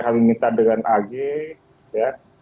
kejadian yang diminta dengan ag ya